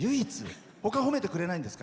ほかは褒めてくれないんですか？